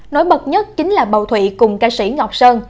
nổi bật nhất chính là bầu thủy cùng ca sĩ ngọc sơn